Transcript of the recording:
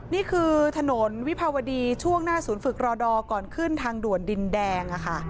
นี่คือถนนวิภาวดีช่วงหน้าศูนย์ฝึกรอดอร์ก่อนขึ้นทางด่วนดินแดง